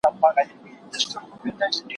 سیسټم ته اپلوډ کړي دي